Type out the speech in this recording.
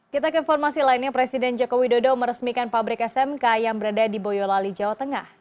kita ke informasi lainnya presiden joko widodo meresmikan pabrik smk yang berada di boyolali jawa tengah